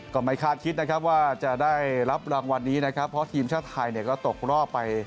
ก็ไม่คาดคิดนะครับว่าจะได้รับรางวัลนี้นะครับเพราะทีมชาติไทยเนี่ยก็ตกรอบไป